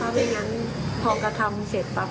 ไม่งั้นพอกระทำเสร็จปั๊บ